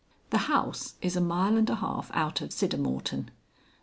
The House is a mile and a half out of Siddermorton.